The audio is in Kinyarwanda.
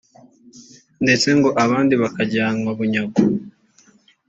ndetse ngo abandi bakajyanwa bunyago